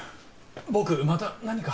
僕また何か？